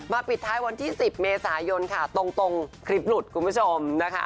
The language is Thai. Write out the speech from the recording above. มาปิดท้ายวันที่๑๐เมษายนตรงคลิปหลุดคุณผู้ชม